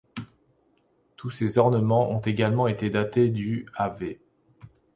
Tous ces ornements ont également été datés du av.